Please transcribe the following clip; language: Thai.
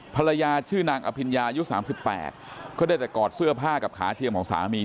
ภรรยาชื่อนางอภิญญายุค๓๘ก็ได้แต่กอดเสื้อผ้ากับขาเทียมของสามี